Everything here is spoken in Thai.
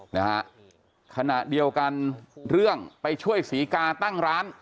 นะฮะขณะเดียวกันเรื่องไปช่วยศรีกาตั้งร้าน